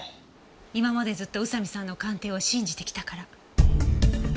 今までずっと宇佐見さんの鑑定を信じてきたから。